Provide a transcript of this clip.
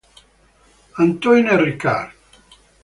Antoine Richard